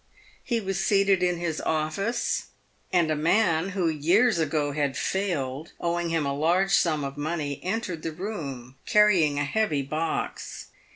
He was seated in his office, and a man, who years ago had failed, owing him a large sum of money, entered the room, carrying a heavy box.